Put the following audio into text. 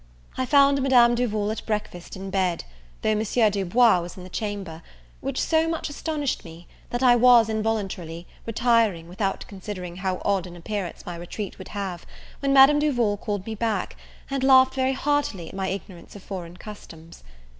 I found Madame Duval at breakfast in bed, though Monsieur Du Bois was in the chamber; which so much astonished me, that I was, involuntarily, retiring, without considering how odd an appearance my retreat would have, when Madame Duval called me back, and laughed very heartily at my ignorance of foreign customs.